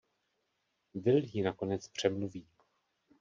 Will ji nakonec přemluví.